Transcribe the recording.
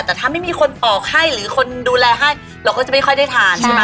แต่ถ้าไม่มีคนออกให้หรือคนดูแลให้เราก็จะไม่ค่อยได้ทานใช่ไหม